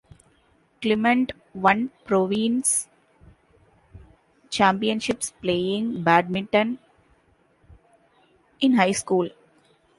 Clement won province championships playing badminton in high school.